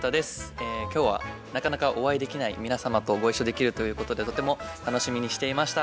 今日はなかなかお会いできない皆様とご一緒できるということでとても楽しみにしていました。